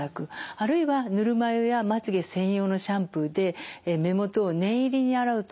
あるいはぬるま湯やまつげ専用のシャンプーで目元を念入り洗うと。